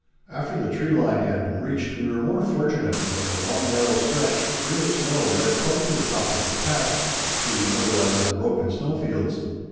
After the tree line had been reached, we were more fortunate, as a long narrow stretch, free of snow led quite to the top of the pass, through the otherwise unbroken snow fields.